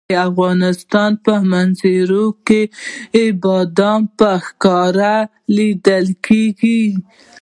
د افغانستان په منظره کې بادام په ښکاره لیدل کېږي.